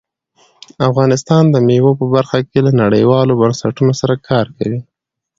افغانستان د مېوو په برخه کې له نړیوالو بنسټونو سره کار کوي.